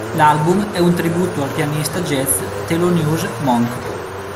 L'album è un tributo al pianista jazz Thelonious Monk.